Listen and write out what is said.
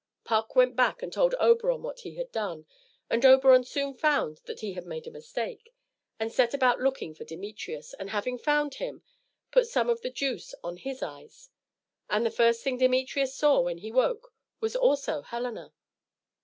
Puck went back and told Oberon what he had done, and Oberon soon found that he had made a mistake, and set about looking for Demetrius, and having found him, put some of the juice on his eyes. And the first thing Demetrius saw when he woke was also Helena.